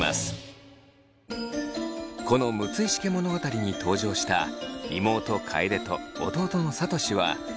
この「六石家物語」に登場した妹楓と弟の聡は「それゆけ！